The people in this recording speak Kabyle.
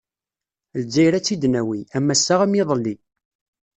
Lezzayer ad tt-id-nawi, am ass-a am yiḍelli.